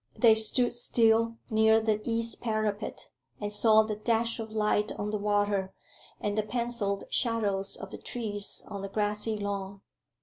They stood still near the east parapet, and saw the dash of light on the water, and the pencilled shadows of the trees on the grassy lawn.